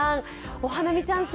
お花見チャンス